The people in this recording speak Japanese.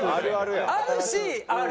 あるしある？